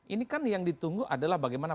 ini kan yang ditunggu adalah bagaimana